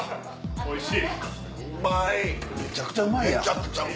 おいしい！